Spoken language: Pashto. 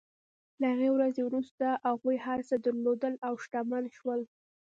له هغې ورځې وروسته هغوی هر څه درلودل او شتمن شول.